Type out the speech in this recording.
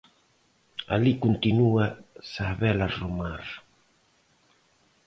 Alí continúa Sabela Romar.